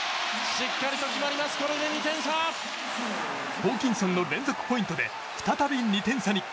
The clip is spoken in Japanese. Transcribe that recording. ホーキンソンの連続ポイントで再び２点差に。